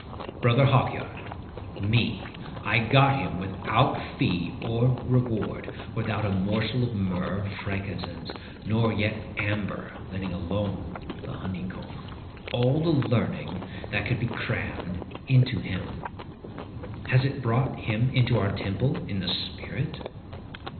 Brother Hawkyard. Me. I got him without fee or reward,—without a morsel of myrrh, or frankincense, nor yet amber, letting alone the honeycomb,—all the learning that could be crammed into him. Has it brought him into our temple, in the spirit?